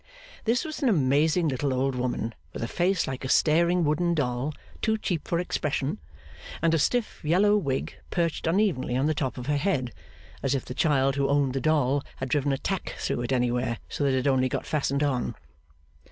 This was an amazing little old woman, with a face like a staring wooden doll too cheap for expression, and a stiff yellow wig perched unevenly on the top of her head, as if the child who owned the doll had driven a tack through it anywhere, so that it only got fastened on.